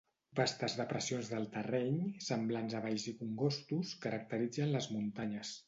Vastes depressions del terreny, semblants a valls i congostos, caracteritzen les muntanyes.